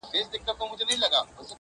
o بارونه ئې تړل، اوښانو ژړل!